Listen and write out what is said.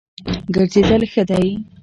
ګرځېدل ښه دی.